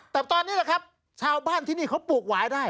แต่ตอนนี้แหละครับชาวบ้านที่นี่เขาปลูกหวายได้